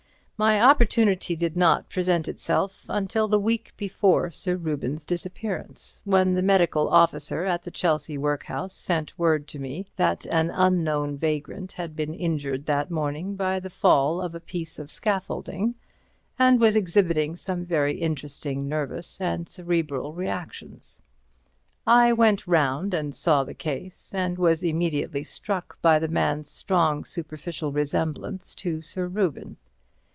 My opportunity did not present itself until the week before Sir Reuben's disappearance, when the medical officer at the Chelsea workhouse sent word to me that an unknown vagrant had been injured that morning by the fall of a piece of scaffolding, and was exhibiting some very interesting nervous and cerebral reactions. I went round and saw the case, and was immediately struck by the man's strong superficial resemblance to Sir Reuben.